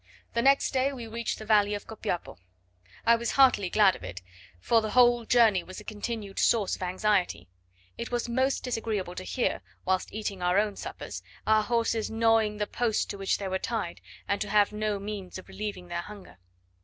The next day we reached the valley of Copiapo. I was heartily glad of it; for the whole journey was a continued source of anxiety; it was most disagreeable to hear, whilst eating our own suppers, our horses gnawing the posts to which they were tied, and to have no means of relieving their hunger.